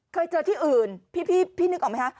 เคยเจอที่อื่นพี่นึกออกไหมคะ